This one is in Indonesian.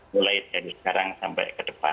mulai dari sekarang sampai ke depan